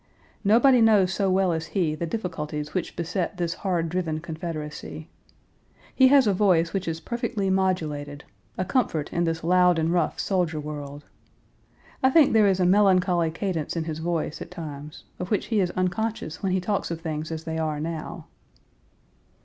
Nobody knows so well as he the difficulties which beset this hard driven Confederacy. He has a voice which is perfectly modulated, a comfort in this loud and rough soldier world. I think there is a melancholy cadence in his voice at times, of which he is unconscious when he talks of things as they are now.